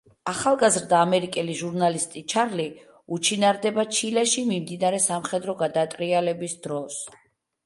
ახალგაზრდა ამერიკელი ჟურნალისტი ჩარლი უჩინარდება ჩილეში მიმდინარე სამხედრო გადატრიალების დროს.